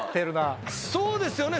「そうですよね？